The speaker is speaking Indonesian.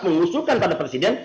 mengusulkan pada presiden